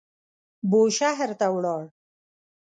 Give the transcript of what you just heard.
بوشهر ته ولاړ.